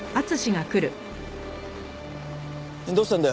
どうしたんだよ？